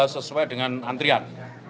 sesuai dengan antrian